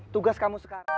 tugas kamu sekarang